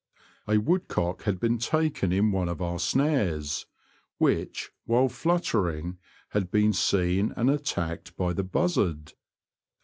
A woodcock had been taken in one of our snares, which, while fluttering, had been seen and attacked by the buzzard.